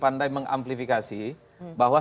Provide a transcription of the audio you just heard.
pandai mengamplifikasi bahwa